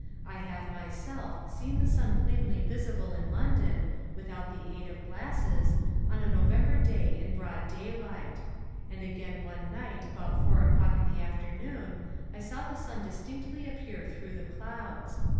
I have myself seen the sun plainly visible in London, without the aid of glasses, on a November day in broad daylight; and again one night about four o'clock in the afternoon I saw the sun distinctly appear through the clouds.